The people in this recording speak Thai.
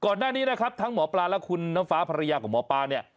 ก่อนหน้านี้นะครับทั้งหมอปลาและคุณน้ำฟ้าภรรยากับหมอปลาเนี่ย